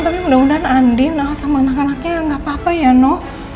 tapi mudah mudahan andina sama anak anaknya gak apa apa ya nok